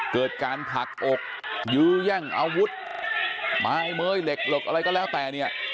เกิดการผลักอกยื้อแย่งอาวุธไม้เม้ยเหล็กอะไรก็แล้วแต่เนี่ย